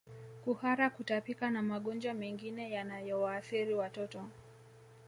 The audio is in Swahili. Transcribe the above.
Kuhara kutapika na magonjwa mengine yanayowaathiri watoto